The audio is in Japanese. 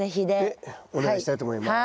でお願いしたいと思います。